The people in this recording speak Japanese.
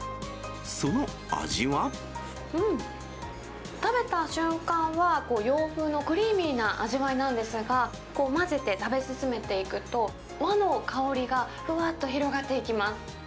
うん、食べた瞬間は洋風のクリーミーな味わいなんですが、混ぜて食べ進めていくと、和の香りが、ふわっと広がっていきます。